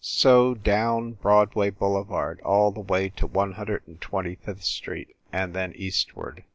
So down Broadway boulevard all the way to One Hundred and Twenty fifth Street, and then eastward.